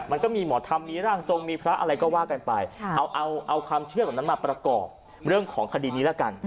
มันก็มีหมอธรรมมีร่างทรงมีพระอะไรก็ว่ากันไปเอาเอาความเชื่อเหล่านั้นมาประกอบเรื่องของคดีนี้ละกัน